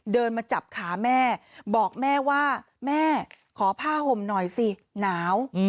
เดินมาจับขาแม่บอกแม่ว่าแม่ขอผ้าห่มหน่อยสิหนาว